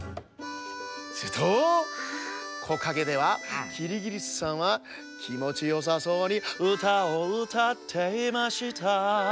するとこかげではキリギリスさんはきもちよさそうに「うたをうたっていました」